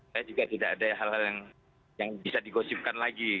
saya juga tidak ada hal hal yang bisa digosipkan lagi